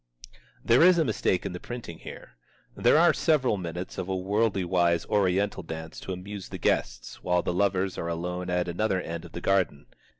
There is a mistake in the printing here. There are several minutes of a worldly wise oriental dance to amuse the guests, while the lovers are alone at another end of the garden.